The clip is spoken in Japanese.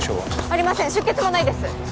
ありません出血もないです